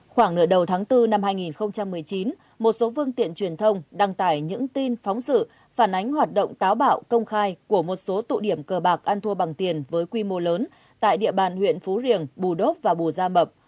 khoảng nửa đầu tháng bốn năm hai nghìn một mươi chín một số phương tiện truyền thông đăng tải những tin phóng sự phản ánh hoạt động táo bạo công khai của một số tụ điểm cờ bạc ăn thua bằng tiền với quy mô lớn tại địa bàn huyện phú riềng bù đốc và bù gia mập